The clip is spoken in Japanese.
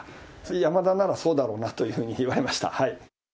山田ならそうだろうなというふうに言われました。